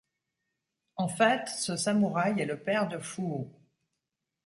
En fait, ce samurai est le père de Fuu.